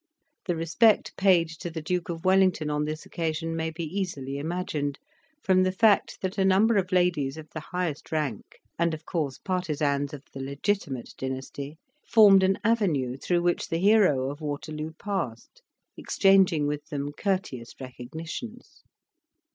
The respect paid to the Duke of Wellington on this occasion may be easily imagined, from the fact that a number of ladies of the highest rank, and of course partisans of the legitimate dynasty, formed an avenue through which the hero of Waterloo passed, exchanging with them courteous recognitions.